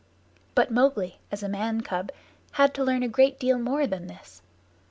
But Mowgli, as a man cub, had to learn a great deal more than this.